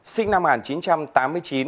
sinh năm một nghìn chín trăm tám mươi chín